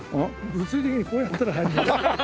物理的にこうやったら入りますよ。